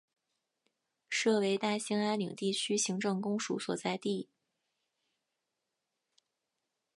设为大兴安岭地区行政公署所在地。